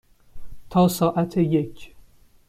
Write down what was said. تا ساعت یک.